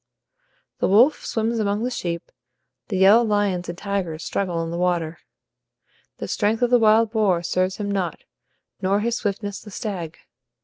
The wolf swims among the sheep, the yellow lions and tigers struggle in the water. The strength of the wild boar serves him not, nor his swiftness the stag.